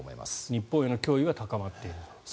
日本への脅威が高まっていると。